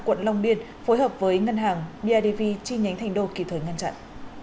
quận long biên phối hợp với ngân hàng bidv chi nhánh thành đồ kỳ thời ngăn chặn